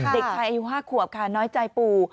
เด็กชายอายุ๕ขวบค่ะน้อยใจปู่